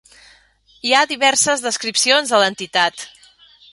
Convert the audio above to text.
Hi ha diverses descripcions de l'entitat.